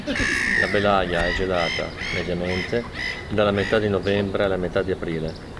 La Belaja è gelata, mediamente, dalla metà di novembre alla metà di aprile.